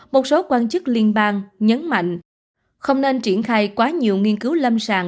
một số quan chức liên bang nhấn mạnh không nên triển khai quá nhiều nghiên cứu lâm sàng